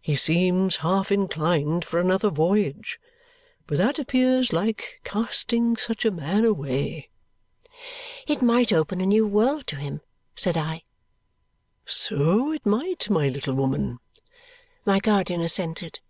He seems half inclined for another voyage. But that appears like casting such a man away." "It might open a new world to him," said I. "So it might, little woman," my guardian assented.